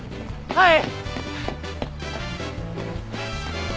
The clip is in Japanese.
はい！